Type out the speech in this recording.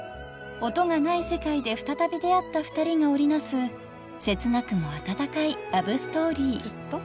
［音がない世界で再び出会った２人が織り成す切なくも温かいラブストーリー］